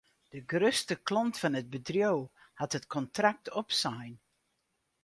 De grutste klant fan it bedriuw hat it kontrakt opsein.